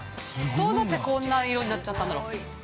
◆どうなって、こんな色になっちゃったんだろう。